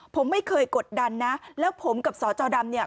ผมไม่เคยกดดันนะแล้วผมกับสจดำเนี่ย